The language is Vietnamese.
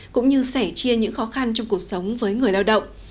cũng như sẻ chia những khó khăn trong cuộc sống với người lao động